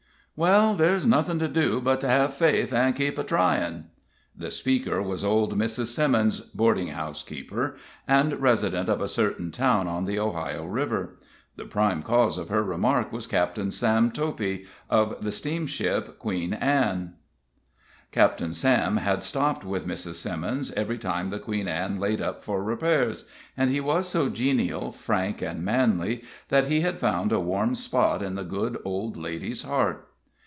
"Well, there's nothin' to do, but to hev faith, an' keep a tryin'." The speaker was old Mrs. Simmons, boarding house keeper, and resident of a certain town on the Ohio River. The prime cause of her remark was Captain Sam Toppie, of the steamboat Queen Ann. Captain Sam had stopped with Mrs. Simmons every time the Queen Ann laid up for repairs, and he was so genial, frank and manly, that he had found a warm spot in the good old lady's heart.